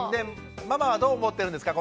ママはどう思ってるんですか